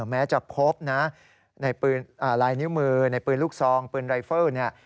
แม้จะพบในปืนลายนิ้วมือในปืนลูกซองปืนไรเฟลล์